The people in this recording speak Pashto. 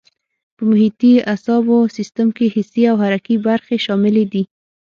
په محیطي اعصابو سیستم کې حسي او حرکي برخې شاملې دي.